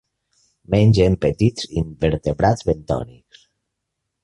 Mengen petits invertebrats bentònics.